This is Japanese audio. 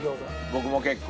僕も結構。